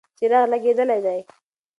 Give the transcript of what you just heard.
څراغ لګېدلی دی.